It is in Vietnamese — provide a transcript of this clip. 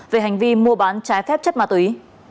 về hành vi mua bán trái phép chất ma túy